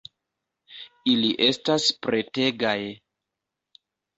Ili estas pretegaj